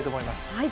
はい。